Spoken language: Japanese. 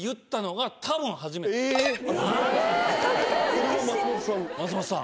それも松本さん？